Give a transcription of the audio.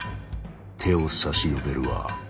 手を差し伸べるは。